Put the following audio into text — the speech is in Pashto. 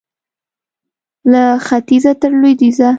له ختیځه تر لوېدیځه